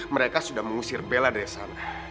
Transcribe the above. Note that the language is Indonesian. mereka sudah mengusir bella dari sana